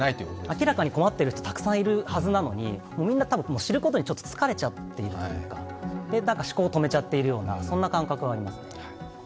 明らかに困っている人がたくさんいるはずなのでみんな多分、知ることに疲れちゃってるというか、思考を止めてしまっているような感覚があります。